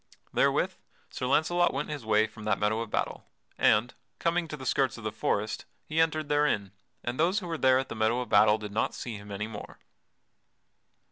Therewith Sir Launcelot went his way from that meadow of battle, and, coming to the skirts of the forest he entered therein, and those who were there at the meadow of battle did not see him any more.